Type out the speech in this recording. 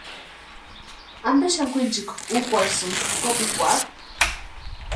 ¿Ampe xani kwʼinchikwa úkwarhisïnki kopikwarhu?